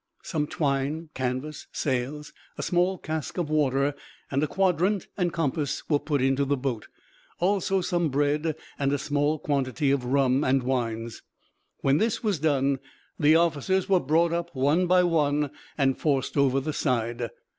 Some twine, canvas, sails, a small cask of water, and a quadrant and compass were put into the boat, also some bread and a small quantity of rum and wines. When this was done the officers were brought up one by one and forced over the side.